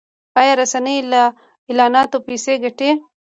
آیا رسنۍ له اعلاناتو پیسې ګټي؟